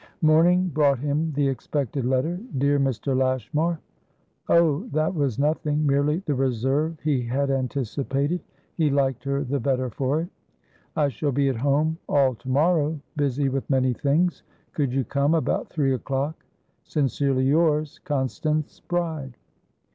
Morning brought him the expected letter. "Dear Mr. Lashmar" Oh, that was nothing; merely the reserve he had anticipated: he liked her the better for it. "I shall be at home all to morrow, busy with many things. Could you come about three o'clock? Sincerely yours, Constance Bride."